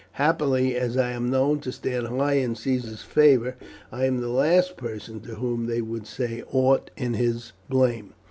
Happily, as I am known to stand high in Caesar's favour, I am the last person to whom they would say aught in his blame.